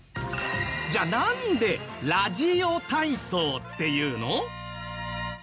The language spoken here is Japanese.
じゃあなんで「ラジオ体操」っていうの？